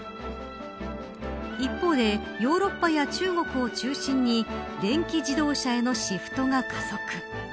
一方でヨーロッパや中国を中心に電気自動車へのシフトが加速。